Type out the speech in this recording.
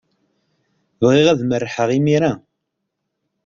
Bɣiɣ ad merrḥeɣ imir-a.